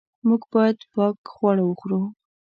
موږ باید پاک خواړه وخورو.